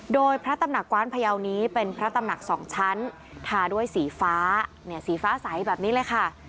โดยพระตำหนักกว้านพยาวนี้เป็นพระตำหนัก๒ชั้นทาด้วยสีฟ้าสีฟ้าใสแบบนี้เลยค่ะ